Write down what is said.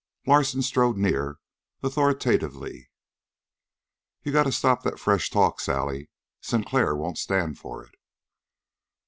Larsen strode near authoritatively. "You got to stop that fresh talk, Sally. Sinclair won't stand for it."